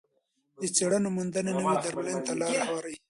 د څېړونکو موندنې نوې درملنې ته لار هواروي.